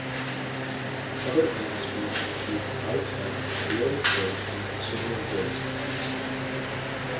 Other industries include high-tech, real estate, and consumer goods.